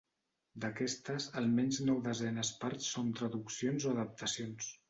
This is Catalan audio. D'aquestes, almenys nou desenes parts són traduccions o adaptacions.